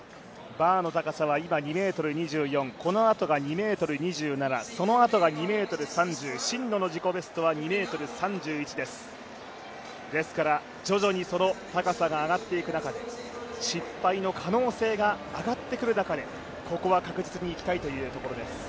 バーの高さは今、２ｍ２４、このあとが２ｍ２７、そのあとが２ｍ３０、真野の自己ベストは２ｍ３１です、ですからその高さが上がっていく中で失敗の可能性が上がってくる中でここは確実にいきたいところです。